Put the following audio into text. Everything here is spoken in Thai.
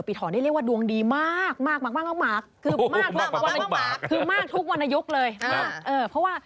ปีเถาะค่ะ